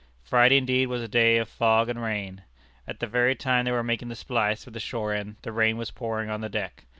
Friday, indeed, was a day of fog and rain. At the very time they were making the splice with the shore end, the rain was pouring on the deck.